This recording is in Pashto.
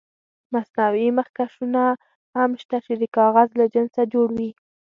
مصنوعي مخکشونه هم شته چې د کاغذ له جنسه جوړ وي.